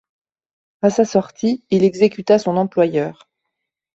À sa sortie, il exécuta son employeur.